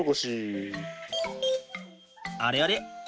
あれあれ？